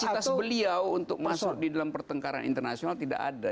fasilitas beliau untuk masuk di dalam pertengkaran internasional tidak ada